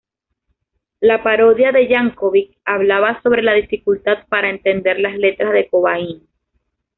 La parodia de Yankovic hablaba sobre la dificultad para entender las letras de Cobain.